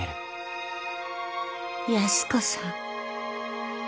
安子さん。